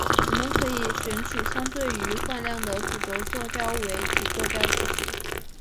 我们可以选取相对于惯量的主轴坐标为体坐标轴系。